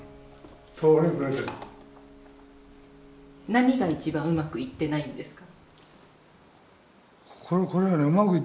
何が一番うまくいってないんですか？